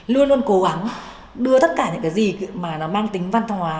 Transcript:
luôn luôn cố gắng đưa tất cả những cái gì mà nó mang tính văn hóa